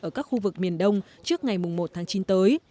ở các khu vực miền đông trước ngày một tháng chín tới